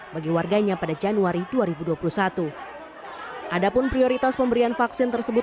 bagi warganya pada januari dua ribu dua puluh satu adapun prioritas pemberian vaksin tersebut